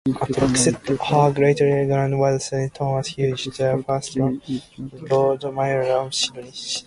Her great-grandfather was Sir Thomas Hughes, the first Lord Mayor of Sydney.